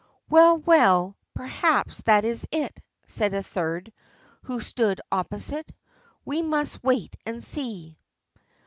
"Well, well, perhaps that is it," said a third, who stood opposite; "we must wait and see."